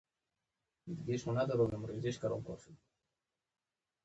په ځمکه لیکې راکاږم او مات زړګۍ رسموم